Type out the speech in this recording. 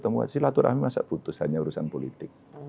ketemu sih laturahmi masa putus hanya urusan politik